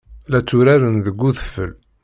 La tturaren deg udfel.